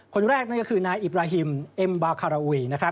คนแรกนั่นก็คือนายอิบราฮิมเอ็มบาคาราอุย